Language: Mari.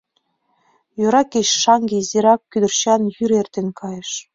— Йӧра кеч шаҥге изирак кӱдырчан йӱр эртен кайыш.